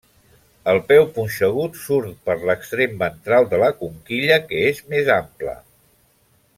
El peu punxegut surt per l'extrem ventral de la conquilla que és més ample.